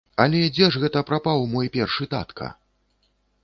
Але дзе ж гэта прапаў мой першы татка?